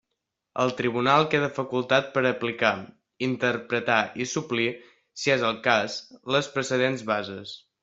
El tribunal queda facultat per a aplicar, interpretar i suplir, si és el cas, les precedents bases.